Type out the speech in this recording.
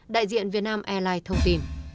đại diện việt nam airline thông tin